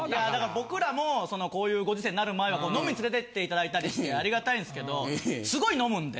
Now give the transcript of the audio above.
僕らもこういうご時世になる前は飲みに連れて行って頂いたりしてありがたいんですけどすごい飲むんで。